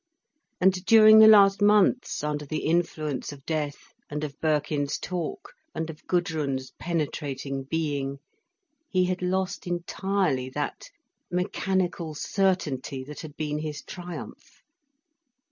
And during the last months, under the influence of death, and of Birkin's talk, and of Gudrun's penetrating being, he had lost entirely that mechanical certainty that had been his triumph.